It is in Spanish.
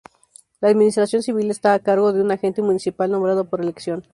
La administración civil estaba a cargo de un Agente Municipal nombrado por elección.